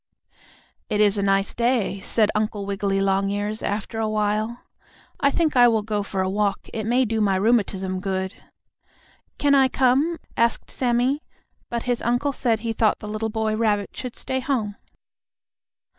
"It is a nice day," said Uncle Wiggily Longears, after a while. "I think I will go for a walk. It may do my rheumatism good." "Can I come?" asked Sammie, but his uncle said he thought the little boy rabbit should stay home.